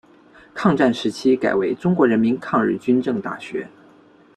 抗战时期改为中国人民抗日军政大学。